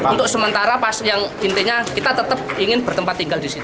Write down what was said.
untuk sementara yang intinya kita tetap ingin bertempat tinggal di sini